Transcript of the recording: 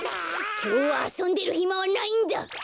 きょうはあそんでるひまはないんだ。